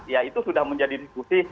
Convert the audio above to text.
ya itu sudah menjadi diskusi